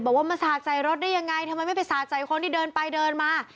มาสาดใส่รถได้ยังไงทำไมไม่ไปสาดใส่คนที่เดินไปเดินมา